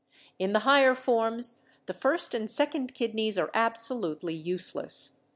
In the higher forms the first and second kidneys are absolutely useless.